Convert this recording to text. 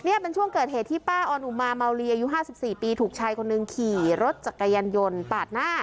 นี่เป็นช่วงเกิดเหตุที่ป้าออนอุมาเมาลีอายุ๕๔ปีถูกชายคนหนึ่งขี่รถจักรยานยนต์ปาดหน้า